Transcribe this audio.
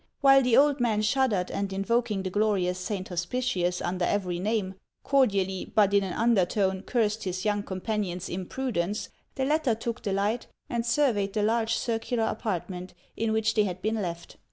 While the old man shuddered, and, invoking the glorious Saint Hospitius under every name, cordially, but in an undertone, cursed his young companion's imprudence, the latter took the light and surveyed the large circular apart ment in which they had been left.